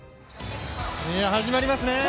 始まりますね。